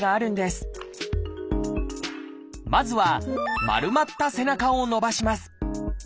まずは丸まった背中を伸ばします。